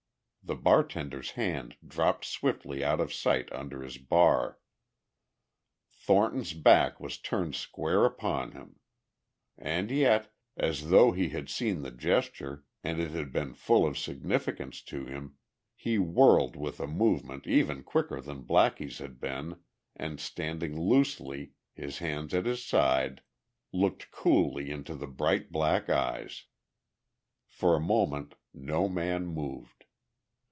The bartender's hand dropped swiftly out of sight under his bar. Thornton's back was turned square upon him. And yet, as though he had seen the gesture and it had been full of significance to him, he whirled with a movement even quicker than Blackie's had been, and standing loosely, his hands at his side, looked coolly into the bright black eyes. For a moment no man moved.